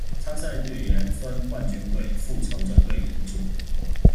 参赛队员分冠军队、复仇者队两组。